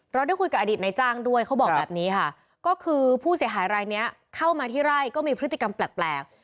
ได้คุยกับอดีตนายจ้างด้วยเขาบอกแบบนี้ค่ะก็คือผู้เสียหายรายเนี้ยเข้ามาที่ไร่ก็มีพฤติกรรมแปลก